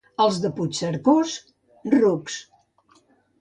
Els de Puigcercós, rucs.